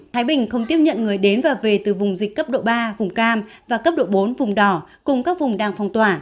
thái bình không tiếp nhận người đến và về từ vùng dịch cấp độ ba vùng cam và cấp độ bốn vùng đỏ cùng các vùng đang phong tỏa